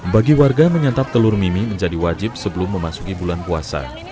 bagi warga menyantap telur mimi menjadi wajib sebelum memasuki bulan puasa